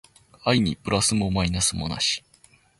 愛にプラスもマイナスもなし